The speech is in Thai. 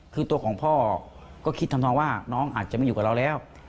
คือตัวของพ่อก็คิดทำนองว่าน้องอาจจะไม่อยู่กับเราแล้ว